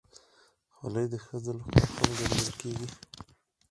خولۍ د ښځو لخوا هم ګنډل کېږي.